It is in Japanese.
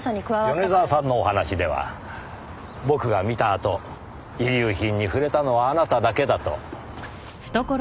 米沢さんのお話では僕が見たあと遺留品に触れたのはあなただけだと。